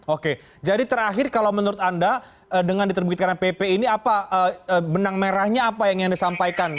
oke jadi terakhir kalau menurut anda dengan diterbitkan pp ini apa benang merahnya apa yang disampaikan